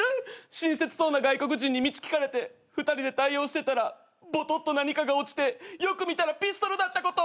親切そうな外国人に道聞かれて２人で対応してたらボトッと何かが落ちてよく見たらピストルだったこと。